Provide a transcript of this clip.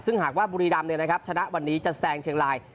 ซึ่งหากว่าบุรีรำชนะวันนี้จะแซงเชียงราย